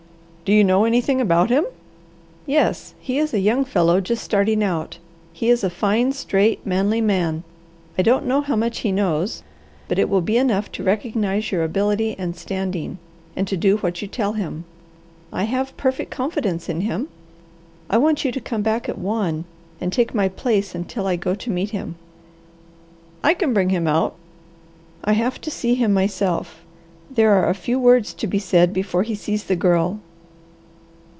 "Do you know anything about him?" "Yes. He is a young fellow, just starting out. He is a fine, straight, manly man. I don't know how much he knows, but it will be enough to recognize your ability and standing, and to do what you tell him. I have perfect confidence in him. I want you to come back at one, and take my place until I go to meet him." "I can bring him out." "I have to see him myself. There are a few words to be said before he sees the Girl."